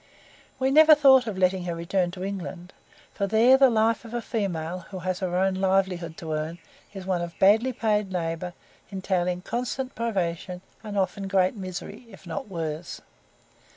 We never thought of letting her return to England, for there the life of a female, who has her own livelihood to earn, is one of badly paid labour, entailing constant privation, and often great misery if not worse.